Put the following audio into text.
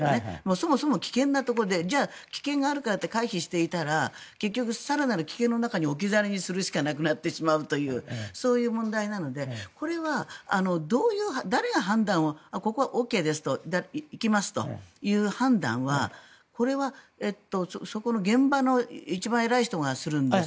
そもそも危険なところで危険だからといって回避していたら結局、更なる危険の中に置き去りにするしかなくなってしまうというそういう問題なのでこれは誰が判断をここはＯＫですと行きますという判断はこれは、そこの現場の一番偉い人がするんですか？